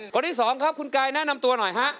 คนที่๒ครับคุณกายแนะนำตัวหน่อยครับ